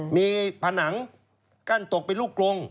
มีผนังกั้นตกเป็นลูกกลง